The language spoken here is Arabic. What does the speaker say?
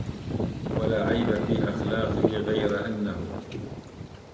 ولا عيب في أخلاقه غير أنه